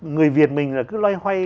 người việt mình là cứ loay hoay